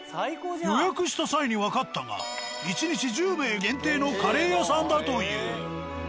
予約した際にわかったが１日１０名限定のカレー屋さんだという。